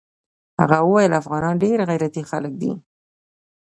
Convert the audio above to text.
هغه ويل افغانان ډېر غيرتي خلق دي.